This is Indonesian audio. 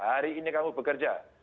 hari ini kamu bekerja